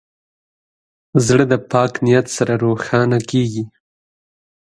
زړه د پاک نیت سره روښانه کېږي.